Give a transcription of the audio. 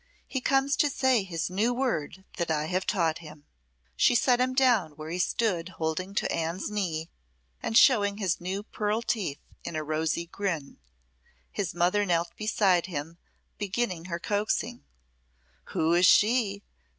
He comes to say his new word that I have taught him." She set him down where he stood holding to Anne's knee and showing his new pearl teeth, in a rosy grin; his mother knelt beside him, beginning her coaxing. "Who is she?"